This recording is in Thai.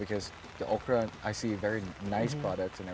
คุณต้องเป็นผู้งาน